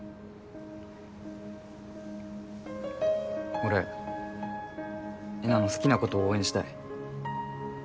俺えなの好きなことを応援したい。